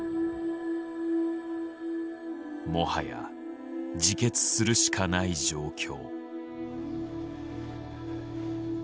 もはや自決するしかない状況。